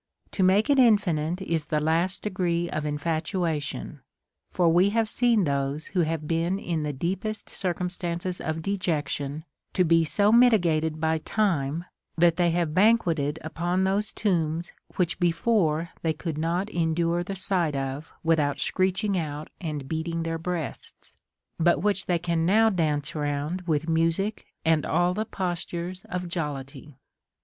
To make it infinite is the last degree of infatuation ; for we have seen those who have been in the deepest circumstances of dejection to be so mitigated by time, that they have banqueted upon those tombs which before they could not endure the sight of without screeching out and beating their breasts, but which they can now dance round with music and all the postures of jollity.